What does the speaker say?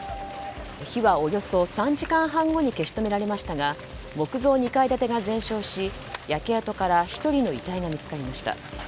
火は、およそ３時間半後に消し止められましたが木造２階建てが全焼し焼け跡から１人の遺体が見つかりました。